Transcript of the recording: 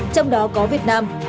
trong đó có việt nam